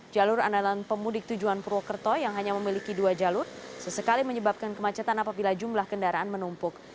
jalur andalan pemudik tujuan purwokerto yang hanya memiliki dua jalur sesekali menyebabkan kemacetan apabila jumlah kendaraan menumpuk